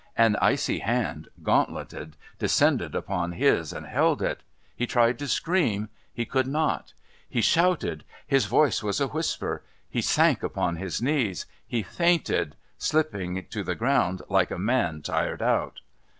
An icy hand, gauntleted, descended upon his and held it. He tried to scream. He could not. He shouted. His voice was a whisper. He sank upon his knees. He fainted, slipping to the ground like a man tired out.